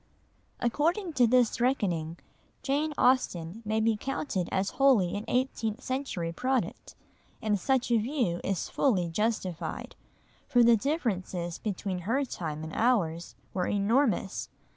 According to this reckoning, Jane Austen may be counted as wholly an eighteenth century product, and such a view is fully justified, for the differences between her time and ours were enormous.